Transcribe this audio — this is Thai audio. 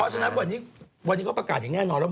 ฉะนั้นวันนี้เขาประกาศอย่างแน่นอนแล้ว